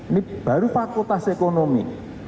ini baru fakultas ekonomi